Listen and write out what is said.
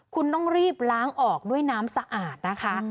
คุณต้องรีบล้างออกด้วยน้ำสะอาดนะคะ